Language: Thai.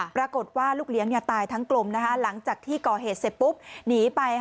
ปรากฏว่าลูกเลี้ยงตายทั้งกลมหลังจากที่ก่อเหตุเสร็จปุ๊บหนีไป